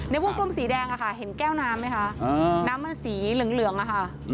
วงกลมสีแดงอะค่ะเห็นแก้วน้ำไหมคะน้ำมันสีเหลืองอะค่ะ